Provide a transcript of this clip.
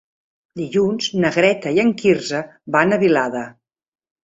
Dilluns na Greta i en Quirze van a Vilada.